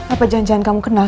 apa janjian kamu kenal sama roy